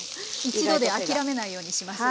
一度で諦めないようにします。